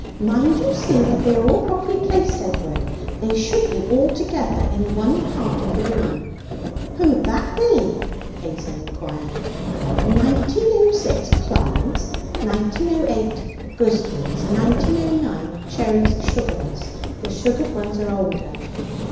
'Mind you see that they are all properly placed, Edward; they should be all together in one part of the room.' 'Who'd that be?' Hazel inquired. '1906, plums; 1908, gooseberries; 1909, cherries, sugarless. The sugared ones are older.'